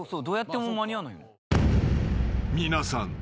［皆さん。